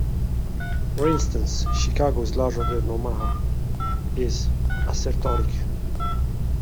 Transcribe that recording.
For instance, "Chicago is larger than Omaha" is assertoric.